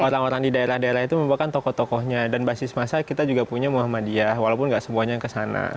orang orang di daerah daerah itu merupakan tokoh tokohnya dan basis masa kita juga punya muhammadiyah walaupun gak semuanya yang kesana